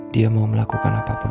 dia mau melakukan apapun